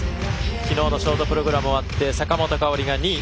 昨日のショートプログラム終わって坂本花織が２位。